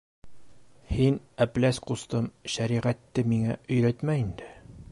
— Һин, Әпләс ҡустым, шәриғәтте миңә өйрәтмә инде.